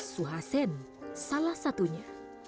suhasen salah satunya